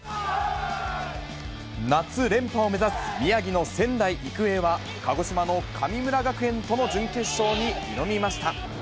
夏連覇を目指す宮城の仙台育英は、鹿児島の神村学園との準決勝に挑みました。